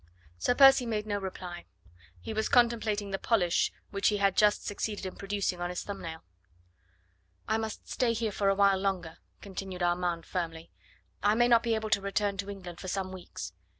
Sir Percy made no reply. He was contemplating the polish which he had just succeeded in producing on his thumbnail. "I must stay here for a while longer," continued Armand firmly. "I may not be able to return to England for some weeks.